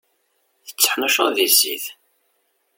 Tteḥnuccuḍ di zzit.